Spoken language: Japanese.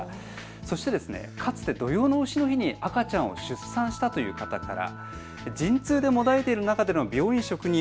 そして、かつて土用のうしの日に赤ちゃんを出産したという方から。